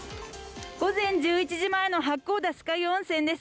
午前１１時前の八甲田酸ヶ湯温泉です。